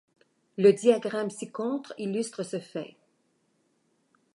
Le diagramme ci-contre illustre ce fait.